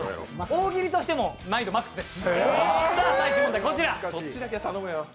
大喜利としても難易度マックスです。